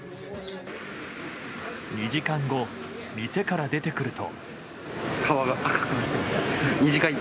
２時間後、店から出てくると。